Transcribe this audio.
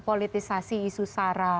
politisasi isu sara